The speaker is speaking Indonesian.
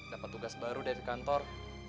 dapat tugas baru dari kantor